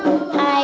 quét khổ đầy